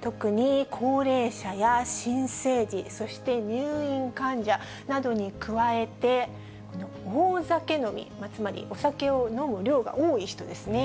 特に高齢者や新生児、そして入院患者などに加えて、大酒飲み、つまりお酒を飲む量が多い人ですね。